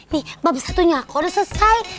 nih bab satunya aku udah selesai